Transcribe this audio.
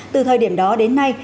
từ thời điểm đó đến nay